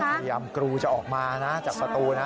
พยายามกรูจะออกมานะจากประตูนะ